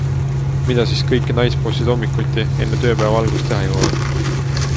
Mida siis kõike naisbossid hommikuti, enne tööpäeva algust teha jõuavad?